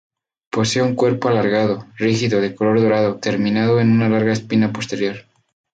Posee un cuerpo alargado, rígido, de color dorado, terminado en una larga espina posterior.